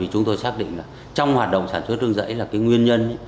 chúng tôi xác định trong hoạt động sản xuất rừng rẫy là nguyên nhân